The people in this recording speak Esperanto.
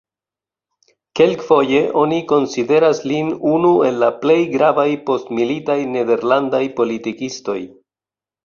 Kelkfoje oni konsideras lin unu el la plej gravaj postmilitaj nederlandaj politikistoj.